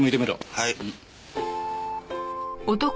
はい。